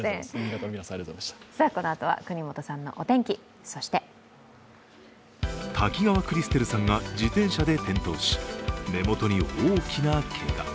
このあとは國本さんのお天気そして滝川クリステルさんが自転車で転倒し、目元に大きなけが。